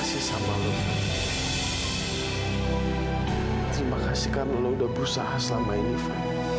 sampai jumpa di video selanjutnya